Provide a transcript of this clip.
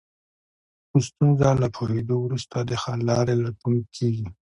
په ستونزه له پوهېدو وروسته د حل لارې لټون کېږي.